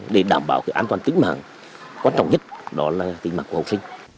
để đảm bảo an toàn tính mạng quan trọng nhất đó là tính mạng của học sinh